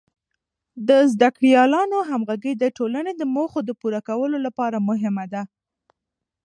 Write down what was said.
د زده کړیالانو همغږي د ټولنې د موخو د پوره کولو لپاره مهمه ده.